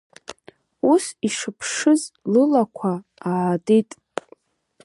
Ус ишыԥшыз лылақәа аатит.